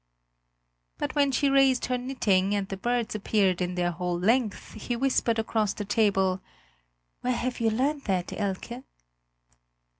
But when she raised her knitting and the birds appeared in their whole length, he whispered across the table: "Where have you learned that, Elke?"